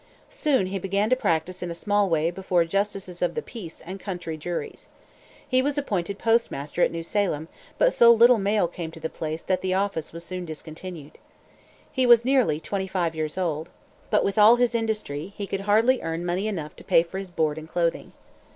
Soon he began to practice in a small way before justices of the peace and country juries. He was appointed postmaster at New Salem, but so little mail came to the place that the office was soon discontinued. He was nearly twenty five years old. But, with all his industry, he could hardly earn money enough to pay for his board and clothing.